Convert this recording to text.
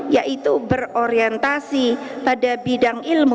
yaitu berorientasi pada bidang ilmu